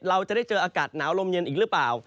เราจะได้เจออากาศหนาวลมเย็นอีกหรือเปล่า